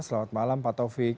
selamat malam pak taufik